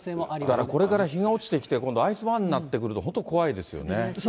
だから、これから日が落ちてきて、今度、アイスバーンになってくると、本当、怖いですよね。